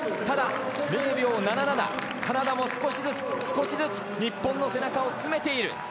カナダも少しずつ少しずつ日本の背中を詰めている。